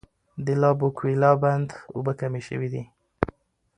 د لابوکویلا بند اوبه کمې شوي دي.